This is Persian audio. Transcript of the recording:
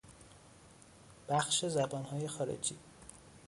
بخش زبانهای خارجی